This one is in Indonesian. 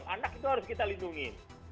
anak itu harus kita lindungi